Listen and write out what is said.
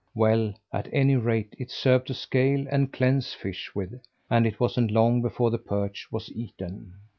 Well, at any rate, it served to scale and cleanse fish with; and it wasn't long before the perch was eaten.